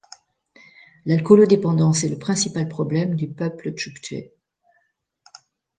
L'alcoolodépendance est le principal problème du peuple tchouktche.